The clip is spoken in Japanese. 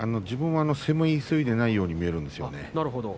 自分は攻め急いでいないように見えるんですよね。